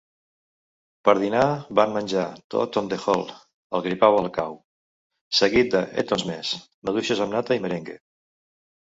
Per dinar, van menjar "Toad on the hole" (el gripau al cau) seguit de "Eton Mess" (maduixes amb nata i merengue).